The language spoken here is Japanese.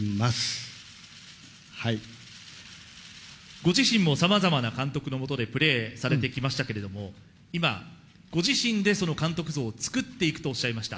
ご自身も様々な監督の下でプレーされてきましたけれども、今、ご自身でその監督像を作っていくとおっしゃいました。